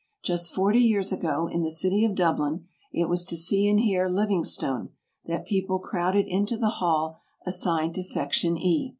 Just 40 years ago, in the city of Dublin, it was to see and hear Livingstone that people crowded into the hall assigned to Section E.